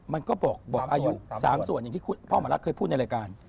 มันก็บอกอายุ๓ส่วนอย่างที่พ่อหมอรักเคยพูดในรายการ